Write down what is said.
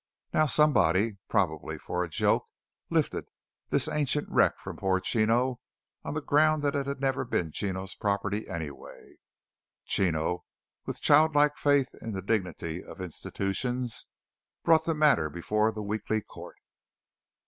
Now somebody, probably for a joke, "lifted" this ancient wreck from poor Chino on the ground that it had never been Chino's property anyway. Chino, with childlike faith in the dignity of institutions, brought the matter before the weekly court.